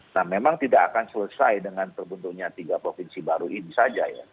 nah memang tidak akan selesai dengan terbentuknya tiga provinsi baru ini saja ya